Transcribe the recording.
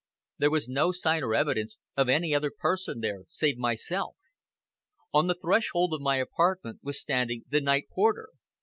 There was no sign or evidence of any other person there save myself. On the threshold of my own apartment was standing the night porter.